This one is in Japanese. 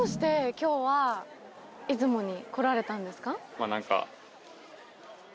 まぁ何か。